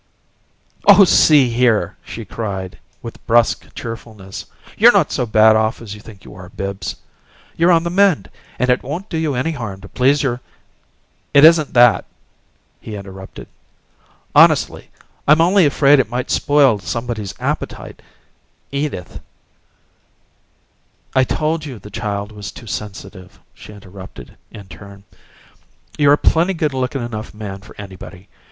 "Oh, see here!" she cried, with brusque cheerfulness. "You're not so bad off as you think you are, Bibbs. You're on the mend; and it won't do you any harm to please your " "It isn't that," he interrupted. "Honestly, I'm only afraid it might spoil somebody's appetite. Edith " "I told you the child was too sensitive," she interrupted, in turn. "You're a plenty good lookin' enough young man for anybody!